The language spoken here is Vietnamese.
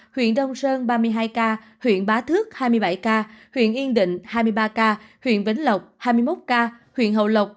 huyện đông sơn huyện bá thước huyện yên định huyện vĩnh lộc huyện hậu lộc